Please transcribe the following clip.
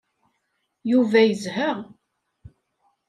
Yuba yezha.